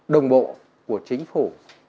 đồng bộ của chính phủ